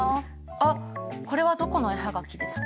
あっこれはどこの絵葉書ですか？